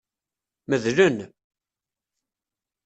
Medlen.